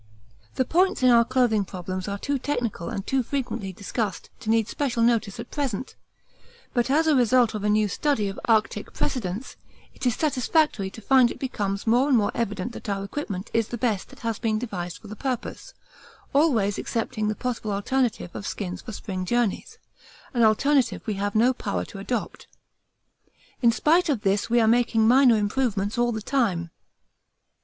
The points in our clothing problems are too technical and too frequently discussed to need special notice at present, but as a result of a new study of Arctic precedents it is satisfactory to find it becomes more and more evident that our equipment is the best that has been devised for the purpose, always excepting the possible alternative of skins for spring journeys, an alternative we have no power to adopt. In spite of this we are making minor improvements all the time.